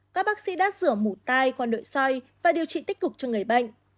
các bác sĩ đã rửa mủ tai qua nội soi và điều trị tích cục cho người bệnh